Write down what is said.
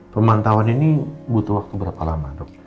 pemantauan ini butuh waktu berapa lama dok